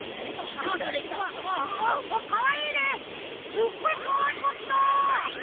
すっごいかわいかった！